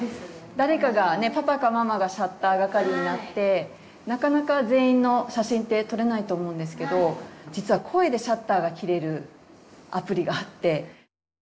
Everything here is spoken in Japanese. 誰かがねパパかママがシャッター係になってなかなか全員の写真って撮れないと思うんですけど実は声でシャッターがきれるアプリがあって。